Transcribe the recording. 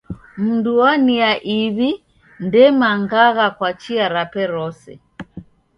Mundu wa nia iw'i, ndemangagha kwa chia rape rose.